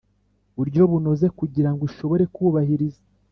buryo bunoze kugira ngo ishobore kubahiriza